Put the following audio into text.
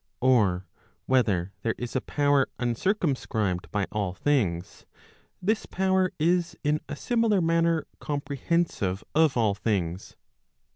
Or whether there is a power uncircumscribed by all things, this power is in a similar manner comprehensive of all things.